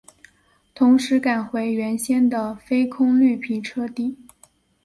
同时改回原先的非空绿皮车底。